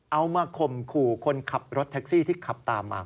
เอามาข่มขู่คนขับรถแท็กซี่ที่ขับตามมา